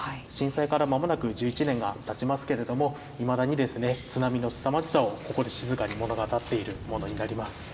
震災からまもなく１１年がたちますけれども、いまだに津波のすさまじさをここで静かに物語っているものになります。